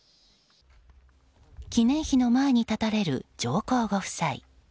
記念碑の前に立たれる上皇ご夫妻。